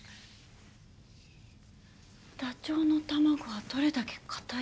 「ダチョウの卵はどれだけ固い？」。